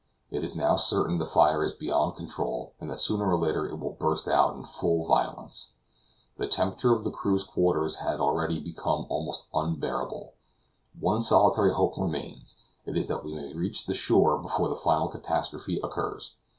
It is now certain the fire is beyond control, and that sooner or later it will burst out in full violence. The temperature of the crew's quarters has already become almost unbearable. One solitary hope remains; it is that we may reach the shore before the final catastrophe occurs.